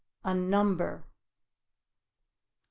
"A number." 22.